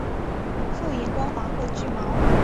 复眼光滑或具毛。